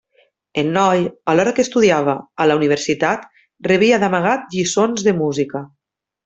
El noi, alhora que estudiava a la universitat, rebia d'amagat lliçons de música.